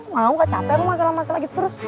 mau gak capek masalah masalah gitu terus